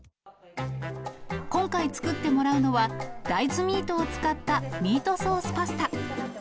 今回作ってもらうのは、大豆ミートを使ったミートソースパスタ。